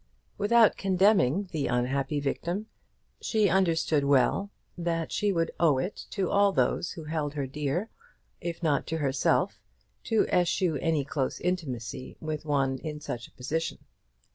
Without condemning the unhappy victim, she understood well that she would owe it to all those who held her dear, if not to herself, to eschew any close intimacy with one in such a position.